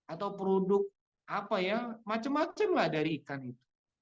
atau produk apa ya macam macam lah dari ikan itu